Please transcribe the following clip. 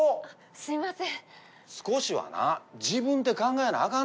すいません。